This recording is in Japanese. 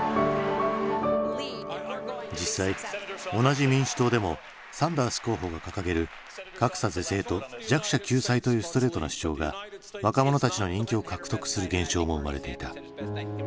実際同じ民主党でもサンダース候補が掲げる格差是正と弱者救済というストレートな主張が若者たちの人気を獲得する現象も生まれていた。